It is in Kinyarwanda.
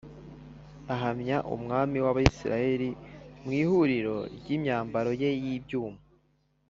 ahamya umwami w’Abisirayeli mu ihuriro ry’imyambaro ye y’ibyuma